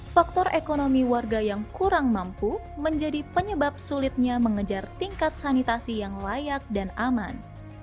faktor ekonomi warga yang kurang mampu menjadi penyebab sulitnya mengejar tingkat sanitasi yang layak dan aman